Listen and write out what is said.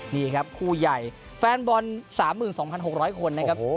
นี่ครับคู่ใหญ่แฟนบอล๓๒๖๐๐คนนะครับ